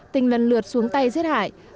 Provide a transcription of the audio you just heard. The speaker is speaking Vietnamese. tình lần lượt xuống tay giết hại